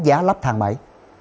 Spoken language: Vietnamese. giá lắp thang máy